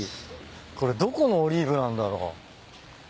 これどこのオリーブなんだろ？